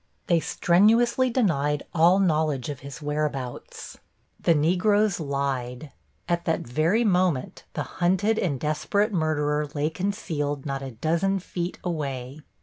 They strenuously denied all knowledge of his whereabouts. The Negroes lied. At that very moment the hunted and desperate murderer lay concealed not a dozen feet away.